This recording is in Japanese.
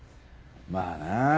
まあな。